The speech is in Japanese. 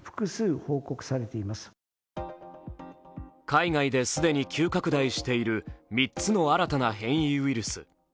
海外で既に急拡大している３つの新たな変異ウイルス。